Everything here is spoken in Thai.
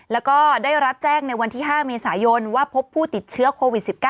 แล้วก็ได้รับแจ้งในวันที่๕เมษายนว่าพบผู้ติดเชื้อโควิด๑๙